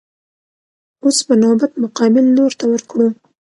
اوس به نوبت مقابل لور ته ورکړو.